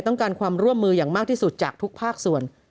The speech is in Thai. ต้องการความร่วมมืออย่างมากที่สุดจากทุกภาคส่วน